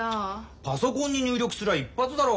パソコンに入力すりゃ一発だろ？